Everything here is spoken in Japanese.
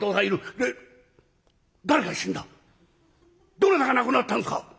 どなたが亡くなったんですか？」。